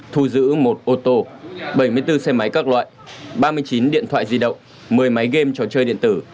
thu giữ một ô tô bảy mươi bốn xe máy các loại ba mươi chín điện thoại di động một mươi máy game trò chơi điện tử